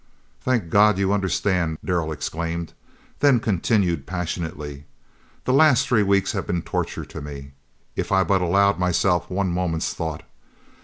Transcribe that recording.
"Thank God, you understand!" Darrell exclaimed; then continued, passionately: "The last three weeks have been torture to me if I but allowed myself one moment's thought.